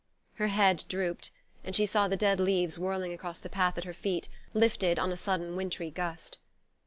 Her head drooped, and she saw the dead leaves whirling across the path at her feet, lifted on a sudden wintry gust.